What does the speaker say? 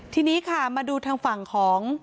ทีนี้ค่ะมาดูทางฝั่งของ